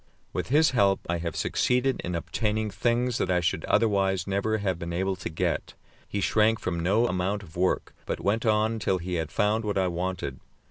With his help I have succeeded in obtaining things that I should otherwise never have been able to get. He shrank from no amount of work, but went on till he had found what I wanted.